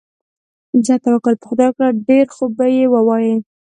ځه توکل په خدای کړه، ډېر خوبه یې ووایې.